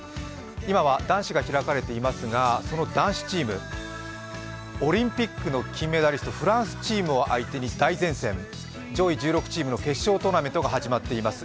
今は男子が開かれていますがその男子チーム、オリンピックの金メダリスト、フランスチームを相手に大善戦、上位１６チームの決勝トーナメントが始まっています。